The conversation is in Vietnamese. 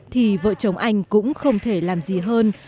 thì vợ chồng anh cũng không thể làm gì hơn